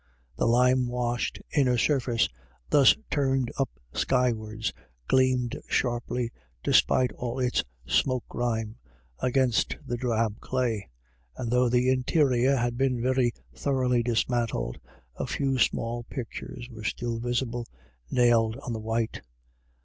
The limewashed inner surface, thus turned up skywards, gleamed sharply, despite all its smoke grime, against the drab clay, and though the interior had been very thoroughly dismantled, a few small pictures were still visible, nailed on the white.